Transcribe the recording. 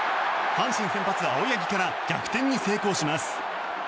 阪神先発、青柳から逆転に成功します。